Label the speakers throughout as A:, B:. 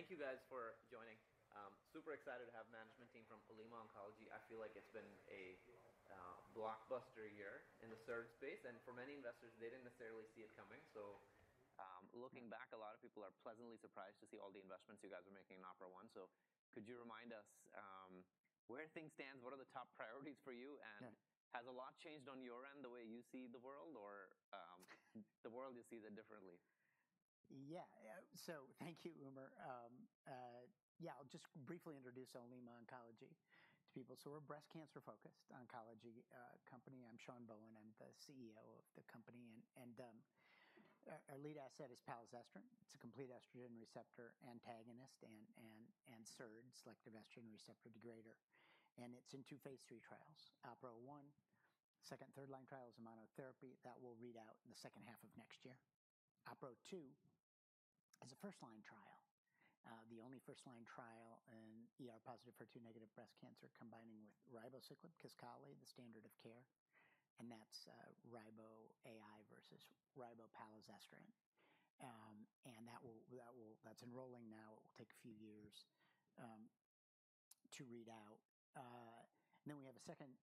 A: All right. Excellent. Well, thank you guys for joining. Super excited to have the management team from Olema Oncology. I feel like it's been a blockbuster year in the SERD space. And for many investors, they didn't necessarily see it coming. So, looking back, a lot of people are pleasantly surprised to see all the investments you guys are making in OPERA-01. So could you remind us, where things stand? What are the top priorities for you? And has a lot changed on your end, the way you see the world, or, the world just sees it differently?
B: Yeah. So thank you, Umar. Yeah, I'll just briefly introduce Olema Oncology to people. So we're a breast cancer-focused oncology company. I'm Sean Bohen. I'm the CEO of the company. And our lead asset is palazestrant. It's a complete estrogen receptor antagonist and SERD, selective estrogen receptor degrader. And it's in two phase III trials. OPERA-01, second- and third-line trials and monotherapy that will read out in the second half of next year. OPERA-02 is a first-line trial, the only first-line trial in ER-positive HER2-negative breast cancer combining with ribociclib/Kisqali, the standard of care. And that's ribo AI versus ribo palazestrant. And that's enrolling now. It will take a few years to read out. Then we have a second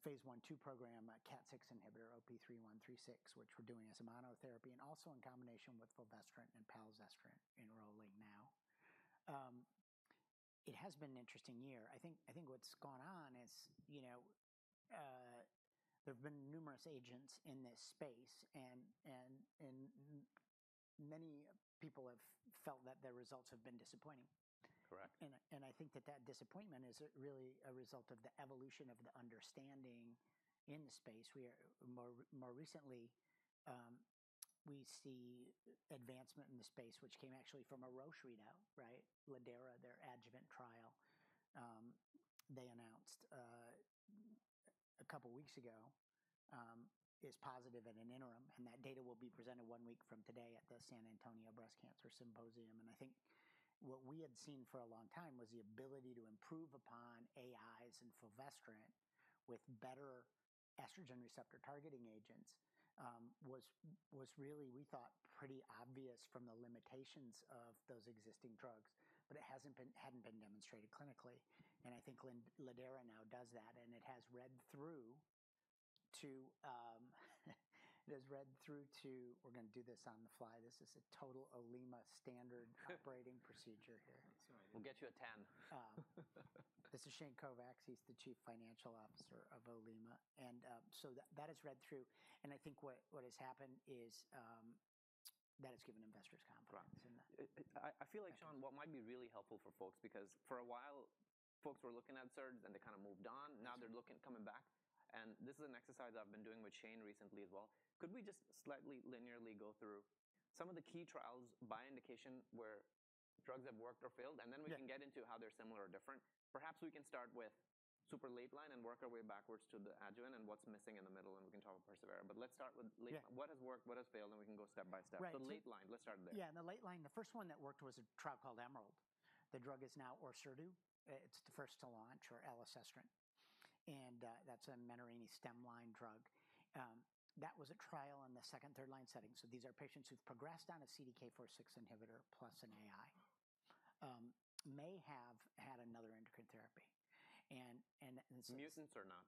B: phase I/II program, KAT6 inhibitor, OP-3136, which we're doing as a monotherapy and also in combination with fulvestrant and palazestrant enrolling now. It has been an interesting year. I think what's gone on is, you know, there've been numerous agents in this space and many people have felt that their results have been disappointing. Correct. And I think that disappointment is really a result of the evolution of the understanding in the space. We are more recently we see advancement in the space, which came actually from Roche, right? lidERA, their adjuvant trial, they announced a couple of weeks ago, is positive in an interim. And that data will be presented one week from today at the San Antonio Breast Cancer Symposium. And I think what we had seen for a long time was the ability to improve upon AIs and fulvestrant with better estrogen receptor targeting agents was really, we thought, pretty obvious from the limitations of those existing drugs, but it hadn't been demonstrated clinically. And I think lidERA now does that, and it has read through to, we're gonna do this on the fly. This is a total Olema standard operating procedure here. We'll get you a 10. This is Shane Kovacs. He's the Chief Financial Officer of Olema, and so that has read through, and I think what has happened is that has given investors confidence in that. I feel like, Sean, what might be really helpful for folks, because for a while folks were looking at SERDs and they kind of moved on. Now they're looking, coming back. And this is an exercise I've been doing with Shane recently as well. Could we just slightly linearly go through some of the key trials by indication where drugs have worked or failed? And then we can get into how they're similar or different. Perhaps we can start with super late line and work our way backwards to the adjuvant and what's missing in the middle, and we can talk about persevERA. But let's start with late. Yeah. What has worked, what has failed, and we can go step by step. Right. Late line, let's start there. Yeah. In the late line, the first one that worked was a trial called EMERALD. The drug is now Orserdu. It's the first to launch oral SERD. And that's a Menarini second-line drug. That was a trial in the second, third-line setting. So these are patients who've progressed on a CDK4/6 inhibitor plus an AI, may have had another endocrine therapy. And so. Mucin or not?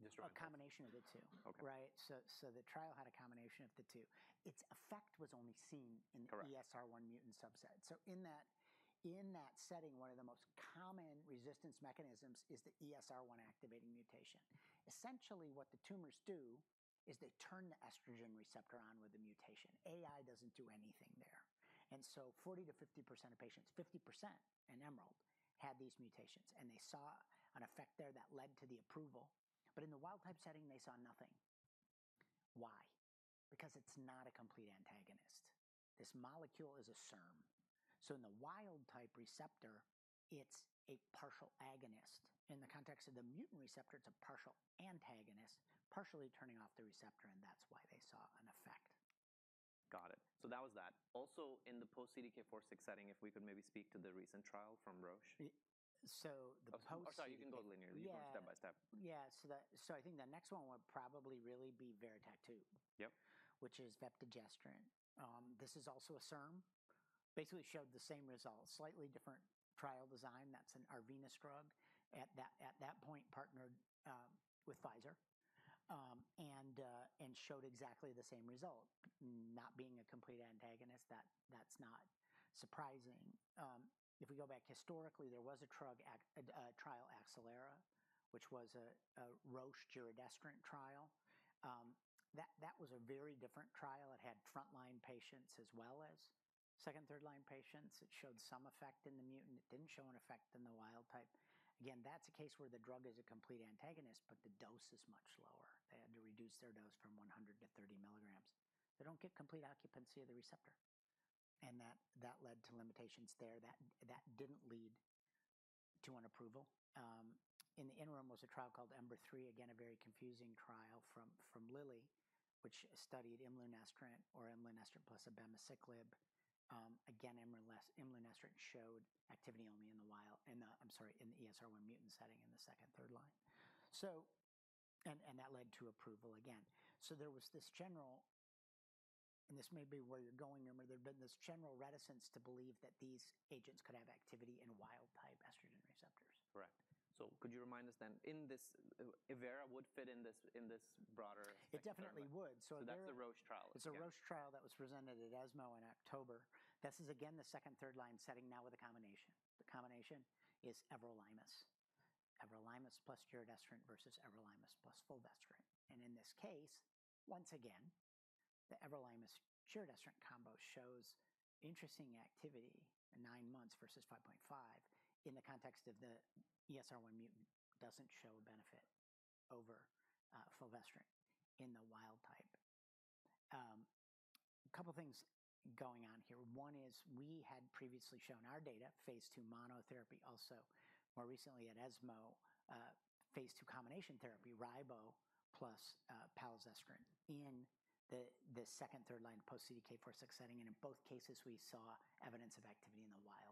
B: Just. A combination of the two. Okay. Right? So, the trial had a combination of the two. Its effect was only seen in the ESR1 mutant subset. Correct. So in that, in that setting, one of the most common resistance mechanisms is the ESR1 activating mutation. Essentially, what the tumors do is they turn the estrogen receptor on with the mutation. AI doesn't do anything there. And so 40%-50% of patients, 50% in EMERALD had these mutations, and they saw an effect there that led to the approval. But in the wild type setting, they saw nothing. Why? Because it's not a complete antagonist. This molecule is a SERM. So in the wild type receptor, it's a partial agonist. In the context of the mutant receptor, it's a partial antagonist, partially turning off the receptor, and that's why they saw an effect. Got it. So that was that. Also in the post-CDK4/6 setting, if we could maybe speak to the recent trial from Roche. So the post. Or sorry, you can go linearly. Yeah. You can go step by step. Yeah. So I think the next one would probably really be VERITAC-2. Yep. Which is vepdegestrant. This is also a SERM. Basically showed the same results, slightly different trial design. That's an Arvinas drug at that point partnered with Pfizer. And showed exactly the same result, not being a complete antagonist. That's not surprising. If we go back historically, there was a drug trial acelERA, which was a Roche giredestrant trial. That was a very different trial. It had frontline patients as well as second, third-line patients. It showed some effect in the mutant. It didn't show an effect in the wild type. Again, that's a case where the drug is a complete antagonist, but the dose is much lower. They had to reduce their dose from 100-30 milligrams. They don't get complete occupancy of the receptor. And that led to limitations there. That didn't lead to an approval. In the interim was a trial called EMBER-3, again, a very confusing trial from Lilly, which studied Imlunestrant or Imlunestrant plus Abemaciclib. Again, Imlunestrant showed activity only, I'm sorry, in the ESR1-mutant setting in the second- and third-line. That led to approval again. There was this general, and this may be where you're going, Umar, there'd been this general reticence to believe that these agents could have activity in wild-type estrogen receptors. Correct. So could you remind us then in this, evERA would fit in this, in this broader category? It definitely would. So the. So that's the Roche trial. It's a Roche trial that was presented at ESMO in October. This is again the second, third-line setting now with a combination. The combination is Everolimus, Everolimus plus giredestrant versus Everolimus plus fulvestrant. And in this case, once again, the Everolimus/giredestrant combo shows interesting activity in nine months versus 5.5 in the context of the ESR1 mutant. It doesn't show a benefit over fulvestrant in the wild type. A couple of things going on here. One is we had previously shown our data phase II monotherapy, also more recently at ESMO, phase II combination therapy, ribo plus palazestrant in the second, third-line post-CDK4/6 setting. And in both cases, we saw evidence of activity in the wild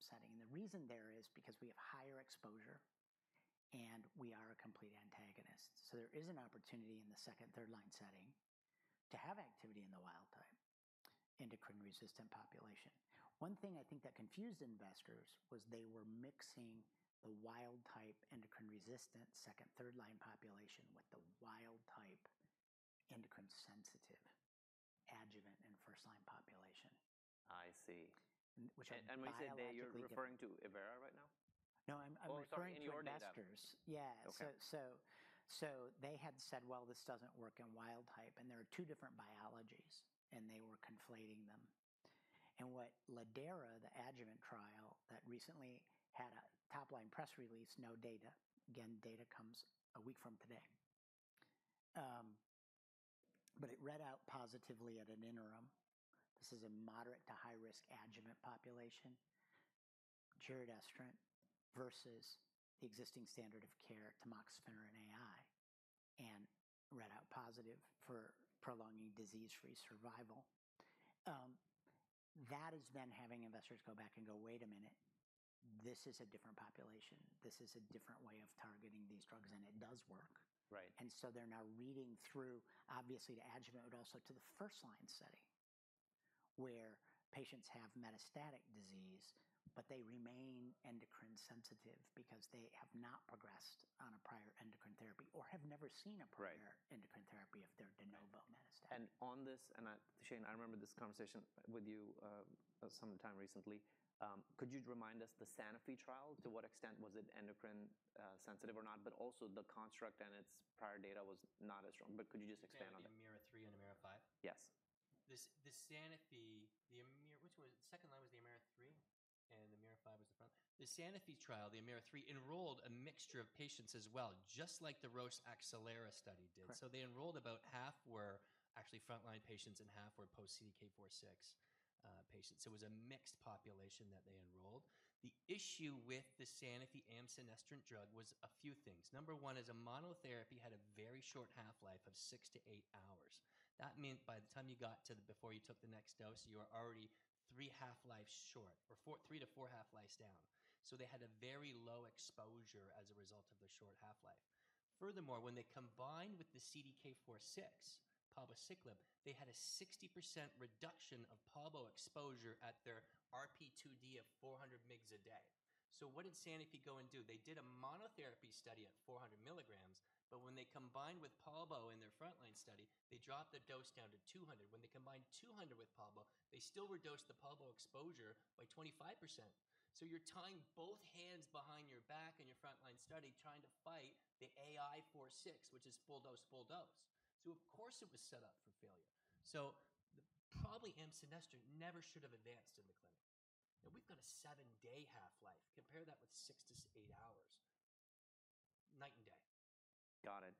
B: type setting. And the reason there is because we have higher exposure and we are a complete antagonist. There is an opportunity in the second- and third-line setting to have activity in the wild-type endocrine-resistant population. One thing I think that confused investors was they were mixing the wild-type endocrine-resistant second- and third-line population with the wild-type endocrine-sensitive adjuvant in first-line population. I see. Which I think. When you say they, you're referring to evERA right now? No, I'm referring to investors. Oh, sorry. Yes. Okay. They had said, well, this doesn't work in Wild Type, and there are two different biologies, and they were conflating them. What lidERA, the adjuvant trial that recently had a top-line press release, no data, again, data comes a week from today, but it read out positively at an interim. This is a moderate to high-risk adjuvant population, giredestrant versus the existing standard of care, Tamoxifen or an AI, and read out positive for prolonging disease-free survival. That has been having investors go back and go, wait a minute, this is a different population. This is a different way of targeting these drugs, and it does work. Right. And so they're now reading through, obviously, to adjuvant, but also to the first-line setting where patients have metastatic disease, but they remain endocrine sensitive because they have not progressed on a prior endocrine therapy or have never seen a prior endocrine therapy if they're de novo metastatic. On this, Shane, I remember this conversation with you some time recently. Could you remind us the Sanofi trial? To what extent was it endocrine sensitive or not? But also the construct and its prior data was not as strong. But could you just expand on that?
C: And the AMEERA-3 and AMEERA-5? Yes. This, the Sanofi, the AMEERA, which was the second line was the AMEERA-3 and the AMEERA-5 was the front. The Sanofi trial, the AMEERA-3 enrolled a mixture of patients as well, just like the Roche acelERA study did. Correct. So they enrolled about half were actually frontline patients and half were post-CDK4/6 patients. So it was a mixed population that they enrolled. The issue with the Sanofi amcenestrant drug was a few things. Number one is a monotherapy had a very short half-life of six to eight hours. That meant by the time you got to the, before you took the next dose, you were already three half-lives short or four, three to four half-lives down. So they had a very low exposure as a result of the short half-life. Furthermore, when they combined with the CDK4/6 palbociclib, they had a 60% reduction of polbo exposure at their RP2D of 400 mg a day. So what did Sanofi go and do? They did a monotherapy study at 400 milligrams, but when they combined with polbo in their frontline study, they dropped the dose down to 200. When they combined 200 with palbo, they still reduced the palbo exposure by 25%, so you're tying both hands behind your back in your frontline study trying to fight the Al 4/6, which is full dose, full dose, so of course it was set up for failure, so the probably amcenestrant never should have advanced in the clinic, and we've got a seven-day half-life. Compare that with six to eight hours, night and day. Got it.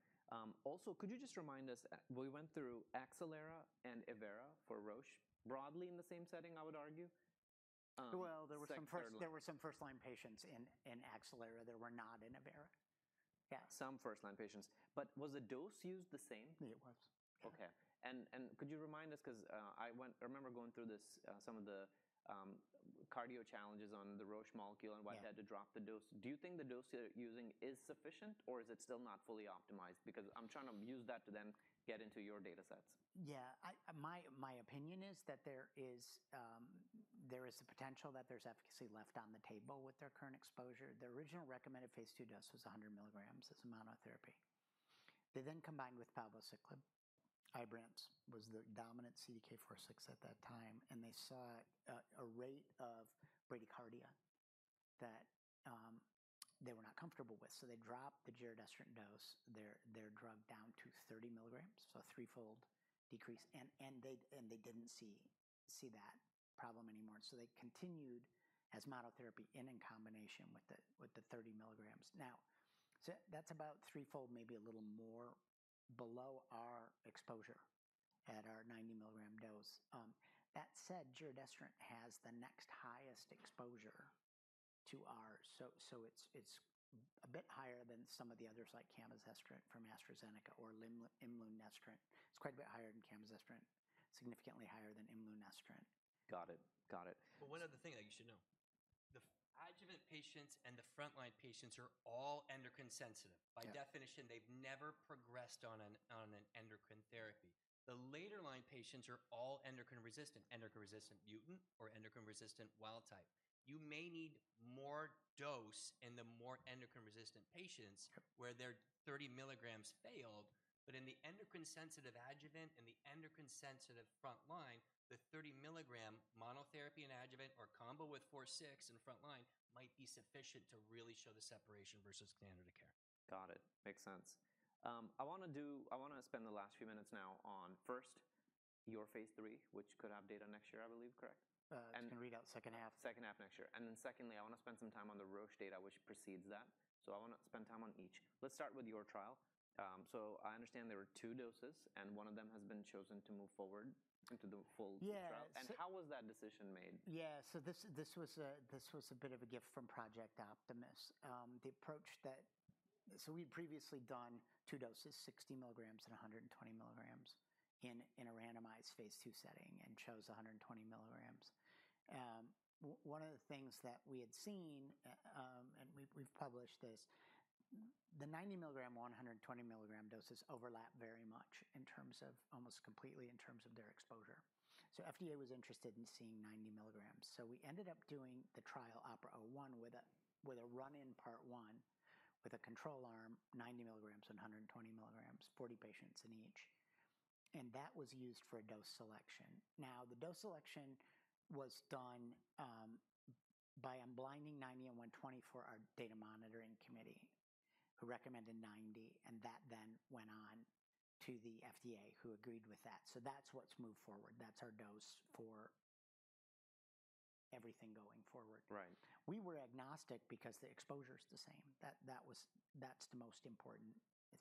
C: Also, could you just remind us, we went through acelERA and evERA for Roche broadly in the same setting, I would argue.
B: There were some first-line patients in acelERA. There were not in evERA. Yeah. Some first-line patients. But was the dose used the same? It was. Okay. And could you remind us, 'cause I remember going through this, some of the cardio challenges on the Roche molecule and why they had to drop the dose. Do you think the dose they're using is sufficient or is it still not fully optimized? Because I'm trying to use that to then get into your data sets. Yeah. My opinion is that there is the potential that there's efficacy left on the table with their current exposure. The original recommended phase II dose was 100 milligrams as a monotherapy. They then combined with palbociclib. Ibrance was the dominant CDK4/6 at that time. And they saw a rate of bradycardia that they were not comfortable with. So they dropped the giredestrant dose, their drug down to 30 milligrams, so a threefold decrease. And they didn't see that problem anymore. And so they continued as monotherapy in combination with the 30 milligrams. Now, so that's about threefold, maybe a little more below our exposure at our 90 milligram dose. That said, giredestrant has the next highest exposure to ours. It's a bit higher than some of the others like camizestrant for AstraZeneca or imlunestrant. It's quite a bit higher than camizestrant, significantly higher than imlunestrant. Got it. Got it.
C: But one other thing that you should know, the adjuvant patients and the frontline patients are all endocrine sensitive.
B: Right.
C: By definition, they've never progressed on an endocrine therapy. The later line patients are all endocrine resistant mutant or endocrine resistant wild type. You may need more dose in the more endocrine resistant patients where their 30 milligrams failed. But in the endocrine sensitive adjuvant, in the endocrine sensitive frontline, the 30 milligram monotherapy and adjuvant or combo with 4/6 and frontline might be sufficient to really show the separation versus standard of care. Got it. Makes sense. I wanna do, I wanna spend the last few minutes now on first your phase III, which could have data next year, I believe. Correct?
B: I can read out second half. Second half next year. And then secondly, I wanna spend some time on the Roche data, which precedes that. So I wanna spend time on each. Let's start with your trial. So I understand there were two doses and one of them has been chosen to move forward into the full trial. Yeah. How was that decision made? Yeah. So this was a bit of a gift from Project Optimus. The approach that, so we had previously done two doses, 60 milligrams and 120 milligrams in a randomized phase II setting and chose 120 milligrams. One of the things that we had seen, and we've published this, the 90 milligram, 120 milligram doses overlap very much in terms of almost completely in terms of their exposure. So FDA was interested in seeing 90 milligrams. So we ended up doing the trial OPERA-01 with a run-in part one with a control arm, 90 milligrams and 120 milligrams, 40 patients in each. And that was used for a dose selection. Now, the dose selection was done by unblinding 90 and 120 for our data monitoring committee, who recommended 90, and that then went on to the FDA who agreed with that. That's what's moved forward. That's our dose for everything going forward. Right. We were agnostic because the exposure's the same. That was the most important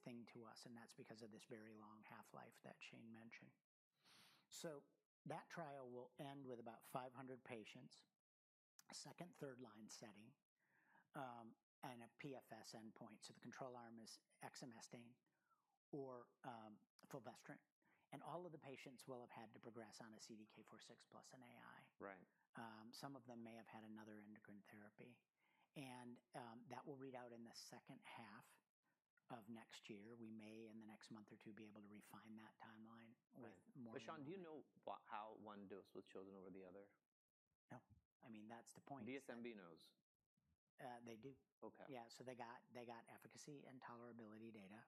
B: thing to us, and that's because of this very long half-life that Shane mentioned, so that trial will end with about 500 patients, second, third-line setting, and a PFS endpoint, so the control arm is Exemestane or fulvestrant, and all of the patients will have had to progress on a CDK4/6 plus an AI. Right. Some of them may have had another endocrine therapy, and that will read out in the second half of next year. We may in the next month or two be able to refine that timeline with more. Sean, do you know how one dose was chosen over the other? No. I mean, that's the point. DSMB knows. they do. Okay. Yeah. So they got efficacy and tolerability data.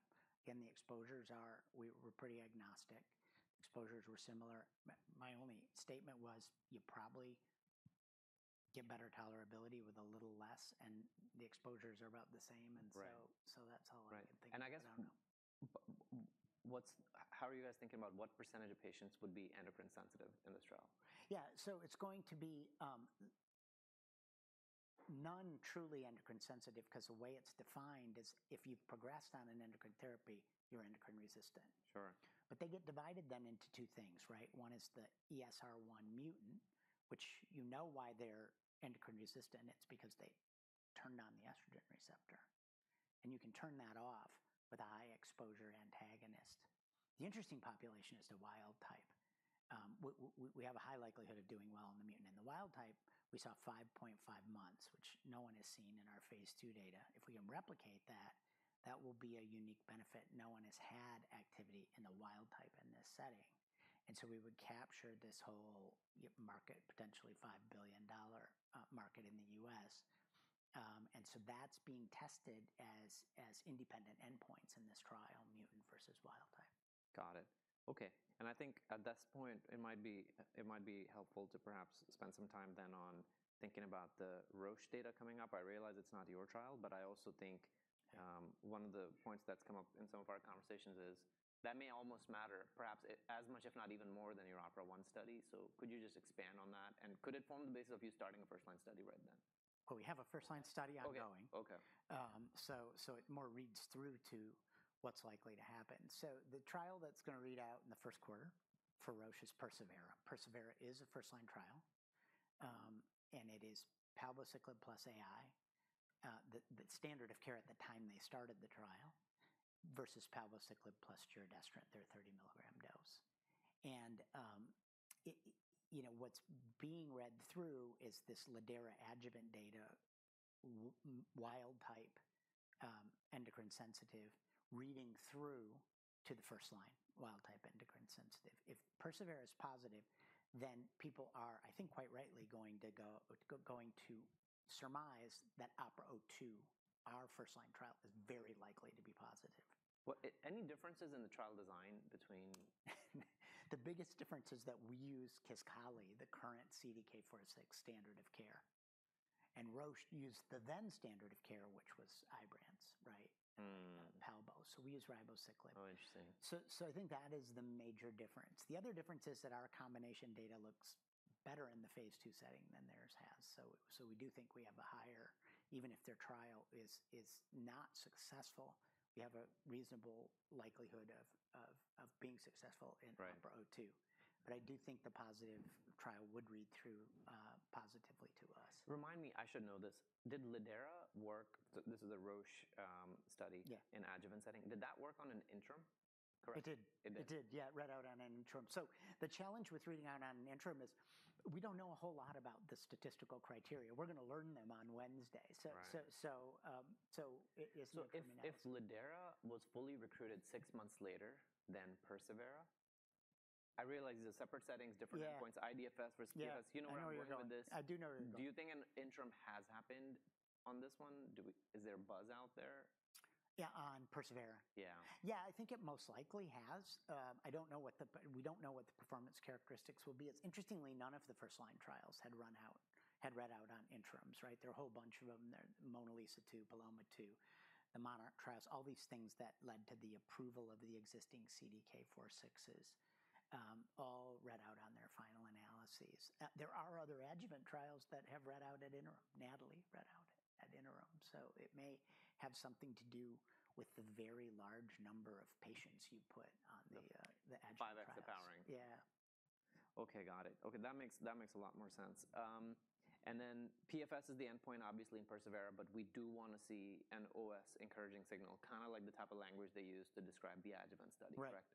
B: Again, the exposures are, we were pretty agnostic. Exposures were similar. My only statement was you probably get better tolerability with a little less, and the exposures are about the same. And so that's all I can think about. Right, and I guess. I don't know. How are you guys thinking about what percentage of patients would be endocrine sensitive in this trial? Yeah. So it's going to be none truly endocrine-sensitive, 'cause the way it's defined is if you've progressed on an endocrine therapy, you're endocrine-resistant. Sure. But they get divided then into two things, right? One is the ESR1 mutant, which you know why they're endocrine resistant. It's because they turned on the estrogen receptor. And you can turn that off with a high exposure antagonist. The interesting population is the wild type. We have a high likelihood of doing well in the mutant. In the wild type, we saw 5.5 months, which no one has seen in our phase II data. If we can replicate that, that will be a unique benefit. No one has had activity in the wild type in this setting. And so we would capture this whole market, potentially $5 billion market in the U.S. And so that's being tested as independent endpoints in this trial, mutant versus wild type. Got it. Okay. And I think at this point, it might be, it might be helpful to perhaps spend some time then on thinking about the Roche data coming up. I realize it's not your trial, but I also think, one of the points that's come up in some of our conversations is that may almost matter perhaps as much, if not even more than your OPERA-01 study. So could you just expand on that? And could it form the basis of you starting a first-line study right then? We have a first-line study ongoing. Okay. It more reads through to what's likely to happen. The trial that's gonna read out in the first quarter for Roche is persevERA. persevERA is a first-line trial, and it is palbociclib plus AI, the standard of care at the time they started the trial versus palbociclib plus giredestrant at their 30 milligram dose. You know, what's being read through is this lidERA adjuvant data, wild type, endocrine sensitive reading through to the first line, wild type endocrine sensitive. If persevERA is positive, then people are, I think quite rightly, going to go, going to surmise that OPERA-02, our first-line trial, is very likely to be positive. What, any differences in the trial design between? The biggest difference is that we use Kisqali, the current CDK4/6 standard of care. And Roche used the then standard of care, which was Ibrance, right? Palbo. So we use ribociclib. Oh, interesting. So, I think that is the major difference. The other difference is that our combination data looks better in the phase II setting than theirs has. So, we do think we have a higher, even if their trial is not successful, we have a reasonable likelihood of being successful in OPERA-02. Right. but I do think the positive trial would read through, positively to us. Remind me, I should know this. Did lidERA work? This is a Roche study. Yeah. In adjuvant setting. Did that work on an interim? Correct? It did. It did. It did. Yeah. It read out on an interim. So the challenge with reading out on an interim is we don't know a whole lot about the statistical criteria. We're gonna learn them on Wednesday. Right. It is looking at. If lidERA was fully recruited six months later than persevERA, I realize these are separate settings, different endpoints. Yeah. IDFS versus PFS. You know what I'm working with this? I do know. Do you think an interim has happened on this one? Do we, is there a buzz out there? Yeah. On persevERA. Yeah. Yeah. I think it most likely has. I don't know what the, we don't know what the performance characteristics will be. It's interestingly, none of the first-line trials had run out, had read out on interims, right? There are a whole bunch of 'em. They're MONALEESA-2, PALOMA-2, the MONARCH trials, all these things that led to the approval of the existing CDK4/6s, all read out on their final analyses. There are other adjuvant trials that have read out at interim. NATALEE read out at interim. So it may have something to do with the very large number of patients you put on the, the adjuvant. By the powering. Yeah. Okay. Got it. Okay. That makes a lot more sense. Then PFS is the endpoint, obviously, in persevERA, but we do wanna see an OS encouraging signal, kind of like the type of language they use to describe the adjuvant study. Right. Correct?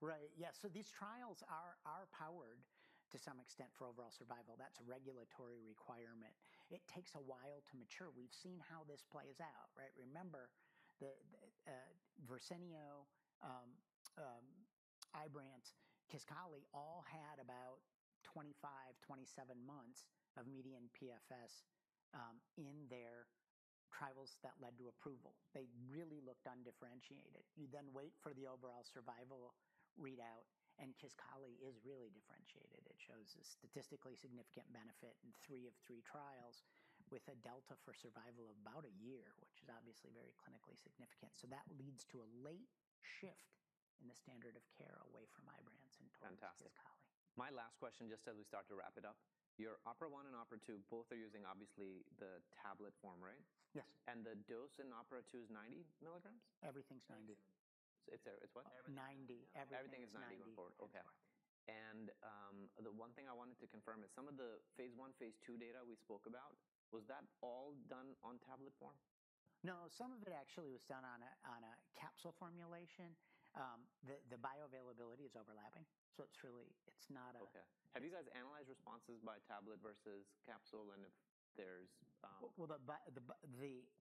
B: Right. Yeah. So these trials are powered to some extent for overall survival. That's a regulatory requirement. It takes a while to mature. We've seen how this plays out, right? Remember the Verzenio, Ibrance, Kisqali all had about 25, 27 months of median PFS in their trials that led to approval. They really looked undifferentiated. You then wait for the overall survival readout, and Kisqali is really differentiated. It shows a statistically significant benefit in three of three trials with a delta for survival of about a year, which is obviously very clinically significant. So that leads to a late shift in the standard of care away from Ibrance and Kisqali. Fantastic. My last question, just as we start to wrap it up, your OPERA-01 and OPERA-02 both are using, obviously, the tablet form, right? Yes. The dose in OPERA-02 is 90 milligrams? Everything's 90. It's what? 90. Everything's 90. Everything is 90 or 40. Okay. The one thing I wanted to confirm is some of the phase I, phase II data we spoke about. Was that all done on tablet form? No. Some of it actually was done on a capsule formulation. The bioavailability is overlapping. So it's really, it's not a. Okay. Have you guys analyzed responses by tablet versus capsule? And if there's, The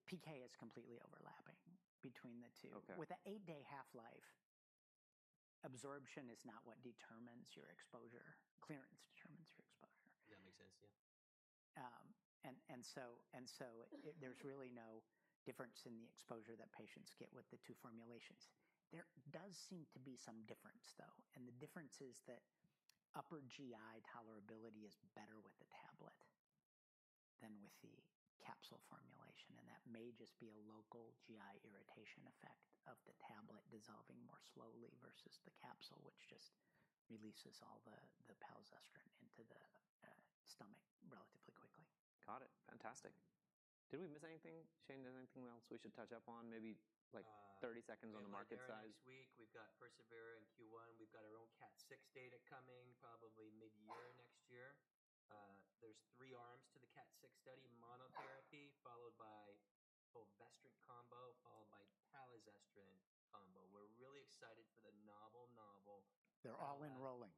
B: PK is completely overlapping between the two. Okay. With an eight-day half-life, absorption is not what determines your exposure. Clearance determines your exposure. That makes sense. Yeah. There's really no difference in the exposure that patients get with the two formulations. There does seem to be some difference though. The difference is that upper GI tolerability is better with the tablet than with the capsule formulation. That may just be a local GI irritation effect of the tablet dissolving more slowly versus the capsule, which just releases all the palazestrant into the stomach relatively quickly. Got it. Fantastic. Did we miss anything, Shane? Is there anything else we should touch up on? Maybe like 30 seconds on the market side.
C: This week we've got persevERA and Q1. We've got our own KAT6 data coming probably mid-year next-year. There's three arms to the KAT6 study, monotherapy followed by fulvestrant combo, followed by palazestrant combo. We're really excited for the novel, novel.
B: They're all enrolling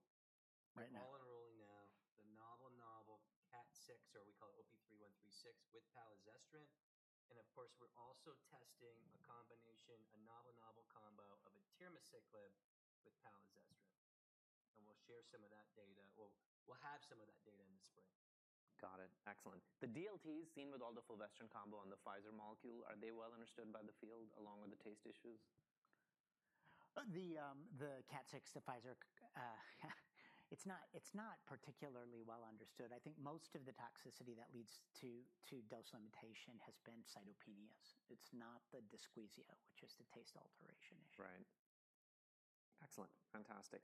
B: right now.
C: They're all enrolling now. The novel KAT6, or we call it OP-3136 with palazestrant. And of course, we're also testing a combination, a novel combo of atiramisiclib with palazestrant. And we'll share some of that data. We'll have some of that data in the spring. Got it. Excellent. The DLTs seen with all the fulvestrant combo on the Pfizer molecule, are they well understood by the field along with the taste issues?
B: The KAT6, the Pfizer, it's not particularly well understood. I think most of the toxicity that leads to dose limitation has been cytopenias. It's not the dysgeusia, which is the taste alteration issue. Right. Excellent. Fantastic.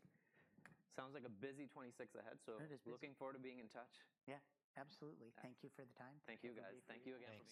B: Sounds like a busy 2026 ahead. So looking forward to being in touch. Yeah. Absolutely. Thank you for the time. Thank you guys. Thank you again.